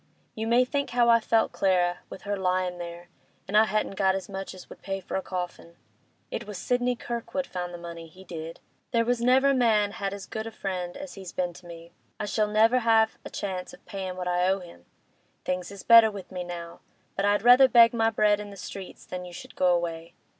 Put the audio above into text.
You may think how I felt, Clara, with her lyin' there, and I hadn't got as much as would pay for a coffin. It was Sidney Kirkwood found the money—he did! There was never man had as good a friend as he's been to me; I shall never have a chance of payin' what I owe him. Things is better with me now, but I'd rather beg my bread in the streets than you should go away.